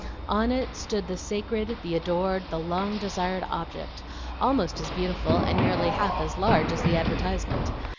On it stood the sacred, the adored, the long desired object; almost as beautiful, and nearly half as large as the advertisement.